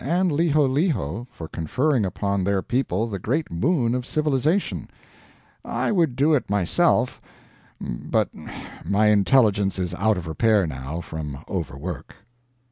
and Liholiho for conferring upon their people the great boon of civilization. I would do it myself, but my intelligence is out of repair, now, from over work.